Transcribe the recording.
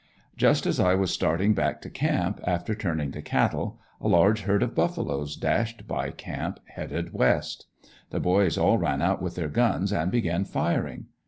Just as I was starting back to camp, after turning the cattle, a large herd of buffaloes dashed by camp headed west. The boys all ran out with their guns and began firing.